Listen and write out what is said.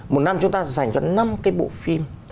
một năm chúng ta dành cho năm cái bộ phim